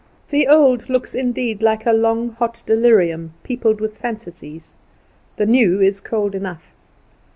The old looks indeed like a long hot delirium, peopled with phantasies. The new is cold enough.